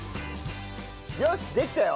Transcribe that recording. よしできたよ。